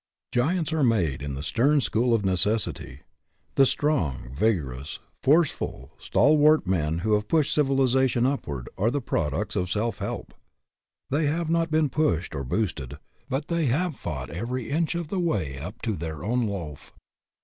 Giants are made in the stern school of neces sity. The strong, vigorous, forceful, stalwart men who have pushed civilization upward are the products of self help. They have not been pushed or boosted; but they have fought every inch of the way up to their own loaf.